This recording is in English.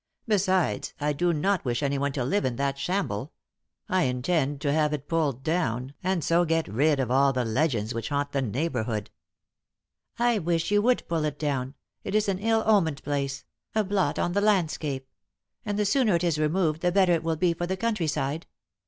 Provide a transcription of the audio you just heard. Besides, I do not wish anyone to live in that shamble. I intend to have it pulled down, and so get rid of all the legends which haunt the neighbourhood." "I wish you would pull it down; it is an ill omened place a blot on the landscape; and the sooner it is removed the better it will be for the countryside.